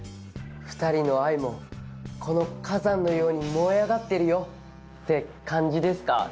「２人の愛もこの火山のように燃え上がってるよ」って感じですか？